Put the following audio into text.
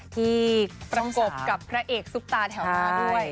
ที่ประกบกับพระเอกซุปตาแถวมาด้วย